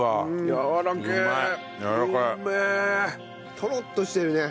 トロッとしてるね。